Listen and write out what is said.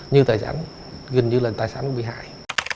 như là tài sản bị hại